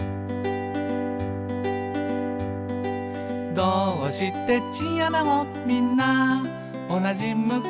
「どーうしてチンアナゴみんなおなじ向き？」